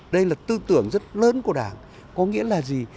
đây là tư tưởng rất lớn của đảng có nghĩa là gì